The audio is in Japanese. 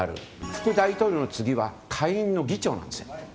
副大統領の次は下院の議長なんです。